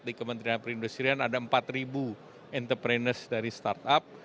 di kementerian perindustrian ada empat entrepreneurs dari startup